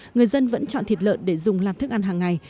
người dân vẫn chọn thịt lợn để dùng làm thức ăn hàng ngày